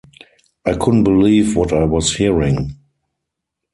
I couldn’t believe what I was hearing.